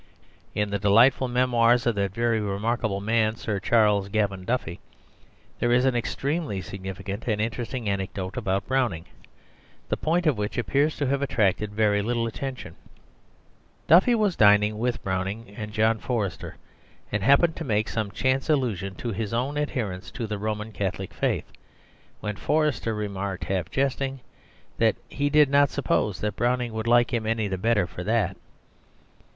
In the delightful memoirs of that very remarkable man Sir Charles Gavan Duffy, there is an extremely significant and interesting anecdote about Browning, the point of which appears to have attracted very little attention. Duffy was dining with Browning and John Forster, and happened to make some chance allusion to his own adherence to the Roman Catholic faith, when Forster remarked, half jestingly, that he did not suppose that Browning would like him any the better for that.